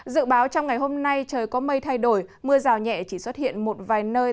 dự báo trong ngày hôm nay trời có mây thay đổi mưa rào nhẹ chỉ xuất hiện một vài nơi